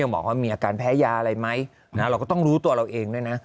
บอกว่ามีอาการแพ้ยาอะไรไหมเราก็ต้องรู้ตัวเราเองด้วยนะ